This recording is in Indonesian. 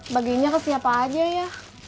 baginya ke siapa aja ya